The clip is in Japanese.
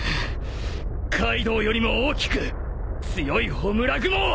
カイドウよりも大きく強い焔雲を！